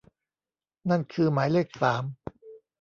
นั่นคือหมายเลขสาม